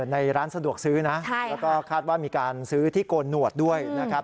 ในร้านสะดวกซื้อนะแล้วก็คาดว่ามีการซื้อที่โกนหนวดด้วยนะครับ